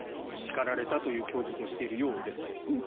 叱られたという供述をしているようですけれども。